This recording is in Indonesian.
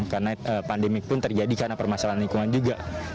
karena pandemi pun terjadi karena permasalahan lingkungan juga